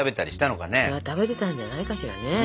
そら食べてたんじゃないかしらね。